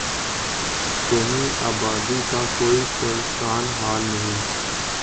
دیہی آبادی کا کوئی پرسان حال نہیں۔